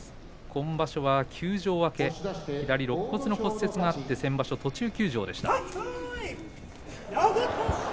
今場所は休場明け左ろっ骨の骨折があって先場所は途中休場でした。